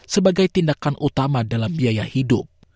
sebagai tindakan utama dalam biaya hidup